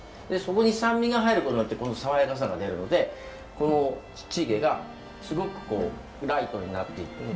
でそこに酸味が入ることによってこの爽やかさが出るのでこのチゲがすごくこうライトになっていく。